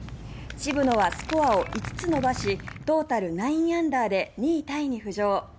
渋野はスコアを５つ伸ばしトータル９アンダーで２位タイに浮上。